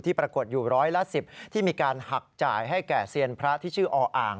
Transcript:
ปรากฏอยู่ร้อยละ๑๐ที่มีการหักจ่ายให้แก่เซียนพระที่ชื่อออ่าง